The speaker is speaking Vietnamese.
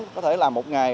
có thể là một ngày là